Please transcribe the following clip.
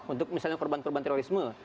untuk misalnya korban korban terorisme